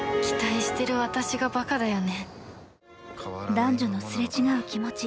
男女のすれ違う気持ち。